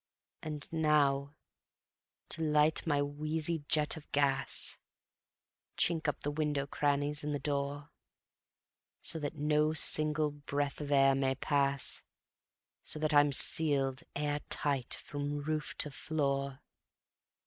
... And now to light my wheezy jet of gas; Chink up the window crannies and the door, So that no single breath of air may pass; So that I'm sealed air tight from roof to floor.